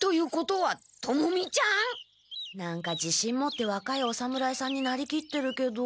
何かじしん持って若いお侍さんになりきってるけど。